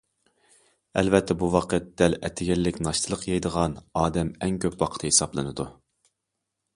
ئەلۋەتتە، بۇ ۋاقىت دەل ئەتىگەنلىك ناشتىلىق يەيدىغان ئادەم ئەڭ كۆپ ۋاقىت ھېسابلىنىدۇ.